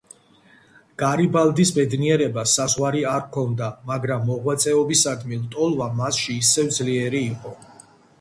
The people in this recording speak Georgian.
გარიბალდის ბედნიერებას საზღვარი არ ჰქონდა, მაგრამ მოღვაწეობისადმი ლტოლვა მასში ისევ ძლიერი იყო.